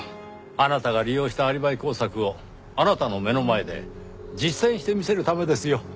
あなたが利用したアリバイ工作をあなたの目の前で実践してみせるためですよ。